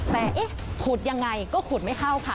แต่เอ๊ะขุดยังไงก็ขุดไม่เข้าค่ะ